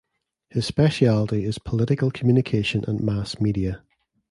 His speciality is political communication and mass media.